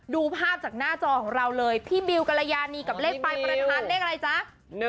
ดูภาพจากหน้าจอของเราเลยพี่บิวกรยานีกับเลขปรรณฑัน